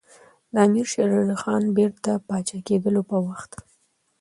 د امیر شېر علي خان بیرته پاچا کېدلو په وخت.